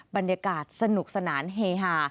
บรรยากาศสนุกสนานเฮฮา